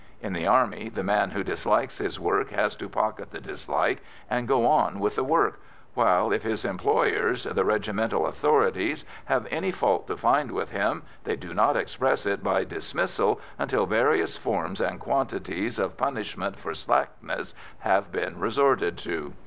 In the Army, the man who dislikes his work has to pocket the dislike and go on with the work, while if his employers, the regimental authorities, have any fault to find with him, they do not express it by dismissal until various forms and quantities of punishment for slackness have been resorted to.